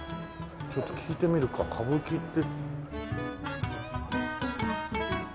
ちょっと聞いてみるか歌舞伎って。